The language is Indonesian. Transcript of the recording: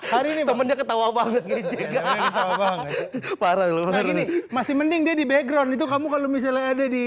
hari ini ketawa banget parah lu masih mending jadi background itu kamu kalau misalnya ada di